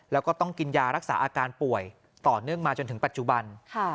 แล้วก็ต้องกินยารักษาอาการป่วยต่อเนื่องมาจนถึงปัจจุบัน